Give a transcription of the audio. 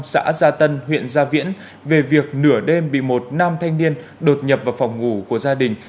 xã gia tân huyện gia viễn về việc nửa đêm bị một nam thanh niên đột nhập vào phòng ngủ của gia đình